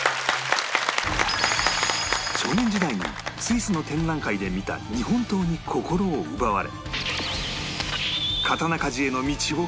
少年時代にスイスの展覧会で見た日本刀に心を奪われ